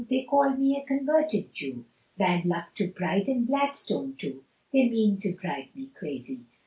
They call me a converted Jew, Bad luck to Bright and Gladstone too, They mean to drive me crazy.